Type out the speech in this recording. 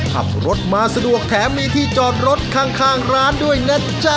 ขับรถมาสะดวกแถมมีที่จอดรถข้างร้านด้วยนะจ๊ะ